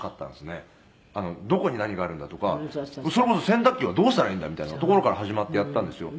「それこそ洗濯機はどうしたらいいんだみたいなところから始まってやったんですよ」